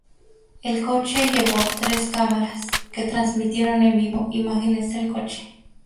El coche llevó tres cámaras, que transmitieron en vivo imágenes del coche.